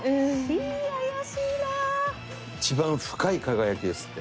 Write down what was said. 一番深い輝きですって。